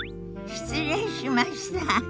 失礼しました。